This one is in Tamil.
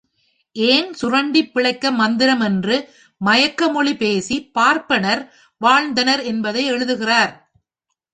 ஏன் சுரண்டிப் பிழைக்க மந்திரம் என்று மயக்கமொழி பேசிப் பார்ப்பனர் வாழ்ந்தனர் என்பதை எழுதுகிறார்.